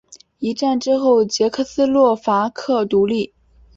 一战之后捷克斯洛伐克独立。